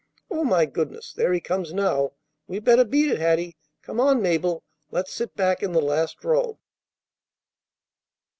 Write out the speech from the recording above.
Oh, my goodness! There he comes now. We better beat it, Hattie. Come on, Mabel. Let's sit back in the last row."